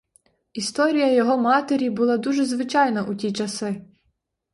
Історія його матері була дуже звичайна у ті часи.